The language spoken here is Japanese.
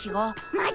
マジ⁉